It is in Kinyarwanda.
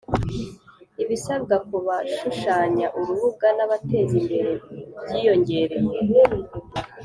ibisabwa kubashushanya urubuga nabateza imbere byiyongereye